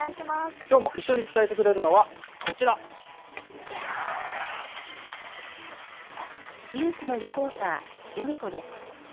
きょうも一緒に伝えてくれるニュースのリポーター、ヨミ子です。